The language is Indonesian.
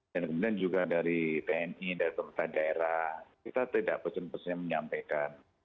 dan kemudian juga dari tni dari pemerintah daerah kita tidak pesen pesen menyampaikan